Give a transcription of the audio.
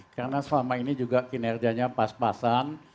karena selama ini kinerjanya pas pasan